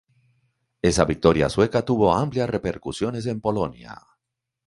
Esa victoria sueca tuvo amplias repercusiones en Polonia.